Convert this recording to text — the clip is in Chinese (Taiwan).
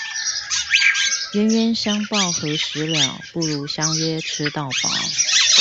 冤冤相報何時了，不如相約吃到飽